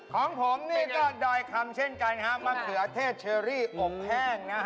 ของผมนี่ก็ดอยคำเช่นกันมะเขือเทศเชอรี่อบแห้งนะฮะ